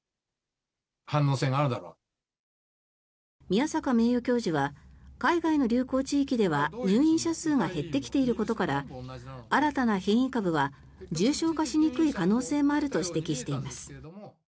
宮坂名誉教授は海外の流行地域では入院者数が減ってきていることから新たな変異株は重症化しにくい可能性もあると指摘しています。